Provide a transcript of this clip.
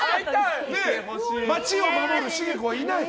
街を守る茂子がいない。